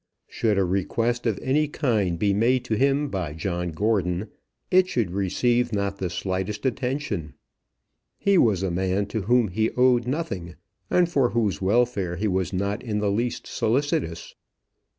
Should a request of any kind be made to him by John Gordon, it should receive not the slightest attention. He was a man to whom he owed nothing, and for whose welfare he was not in the least solicitous.